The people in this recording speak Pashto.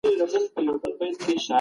څېړنه باید دوام ومومي.